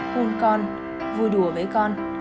hôn con vui đùa với con